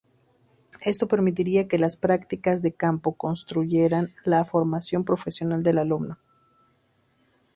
Esto permitiría que las prácticas de campo constituyeran la formación profesional de alumno.